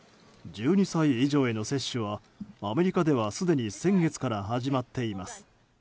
１２歳以上への接種はアメリカではすでに先月から始まっています。